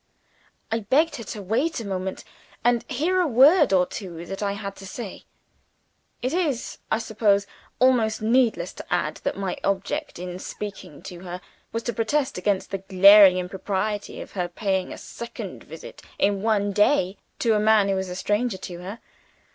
I begged her to wait a moment, and hear a word or two that I had to say. It is, I suppose, almost needless to add that my object in speaking to her was to protest against the glaring impropriety of her paying a second visit, in one day, to a man who was a stranger to her.